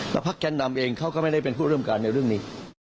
แล้วพักแกนนำเองเขาก็ไม่ได้เป็นผู้ร่วมการในเรื่องนี้